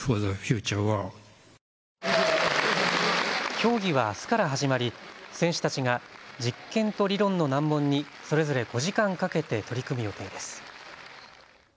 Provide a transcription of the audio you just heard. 競技はあすから始まり選手たちが実験と理論の難問にそれぞれ５時間かけて取り組む予定です。